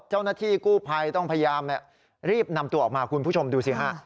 เจ้าหน้าที่กู้ภัยต้องพยายามรีบนำตัวออกมาคุณผู้ชมดูสิฮะ